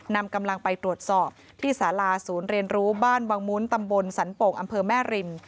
นำกำลังไปตรวจสอบที่สาราศูนย์เรียนรู้บ้านวังมุ้นตำบลสันโป่งอำเภอแม่ริม